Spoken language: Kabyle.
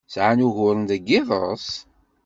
Sɛan uguren deg yiḍes?